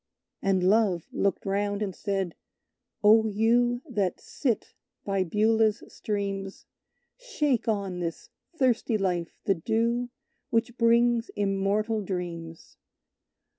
And Love looked round, and said: "Oh, you That sit by Beulah's streams, Shake on this thirsty life the dew Which brings immortal dreams!